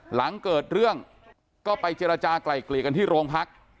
หลังเกิดเรื่องก็ไปเจรจากลายเกลี่ยกันที่โรงพัก